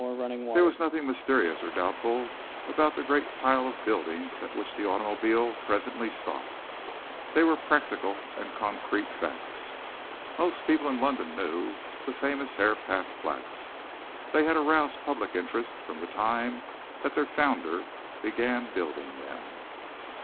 There was nothing mysterious or doubtful about the great pile of buildings at which the automobile presently stopped. They were practical and concrete facts. Most people in London knew the famous Herapath Flats they had aroused public interest from the time that their founder began building them.